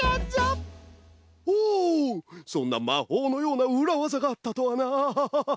そんなまほうのようなうらわざがあったとはなハハハ。